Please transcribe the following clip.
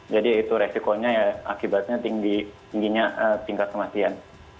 jadi itu resikonya ya akibatnya tingginya tingkat kematian